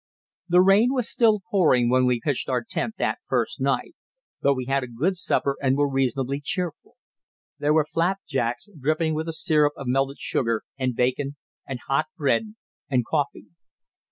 The rain was still pouring when we pitched our tent that first night, but we had a good supper and were reasonably cheerful. There were flapjacks dripping with the syrup of melted sugar, and bacon, and hot bread, and coffee.